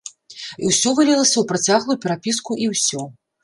Усё вылілася ў працяглую перапіску і ўсё.